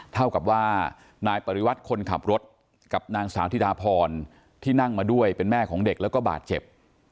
เท่ากับว่านายปริวัติคนขับรถกับนางสาวธิดาพรที่นั่งมาด้วยเป็นแม่ของเด็กแล้วก็บาดเจ็บ